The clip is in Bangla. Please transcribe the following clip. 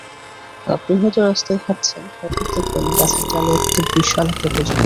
আপনি হয়তো রাস্তায় হাঁটছেন, হঠাৎ দেখবেন গাছের ডালে এত্ত বিশাল একটা প্রজাপতি।